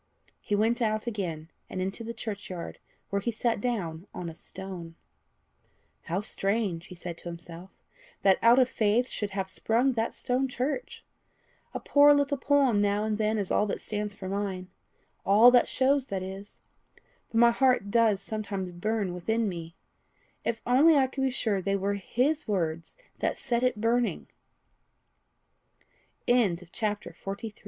He went out again, and into the churchyard, where he sat down on a stone. "How strange," he said to himself, "that out of faith should have sprung that stone church! A poor little poem now and then is all that stands for mine all that shows, that is! But my heart does sometimes burn, within me. If only I could be sure they were HIS words that set it burning!" CHAPTER XI. THE SHEATH. "Mr.